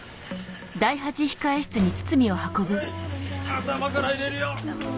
頭から入れるよ！